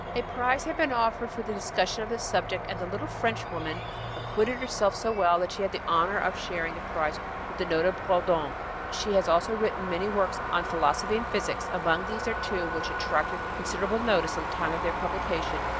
A prize had been offered for the discussion of this subject, and the little French woman acquitted herself so well that she had the honor of sharing the prize with the noted Proudhon. She has also written many works on philosophy and physics. Among these are two which attracted considerable notice at the time of their publication.